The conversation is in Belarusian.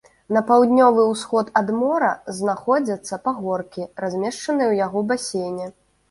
На паўднёвы ўсход ад мора знаходзяцца пагоркі, размешчаныя ў яго басейне.